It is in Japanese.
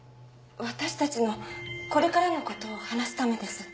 私たちのこれからのことを話すためです。